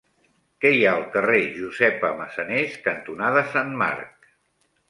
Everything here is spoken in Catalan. Què hi ha al carrer Josepa Massanés cantonada Sant Marc?